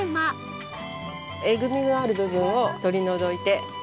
えぐみがある部分を取り除いて。